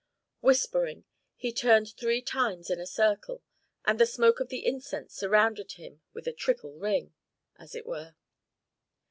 Whispering, he turned three times in a circle, and the smoke of the incense surrounded him with a triple ring, as it were.